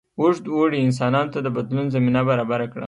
اوږد اوړي انسانانو ته د بدلون زمینه برابره کړه.